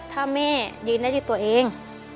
ถ้าแม่ยืนได้ด้วยตัวเอง